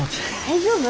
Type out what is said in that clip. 大丈夫？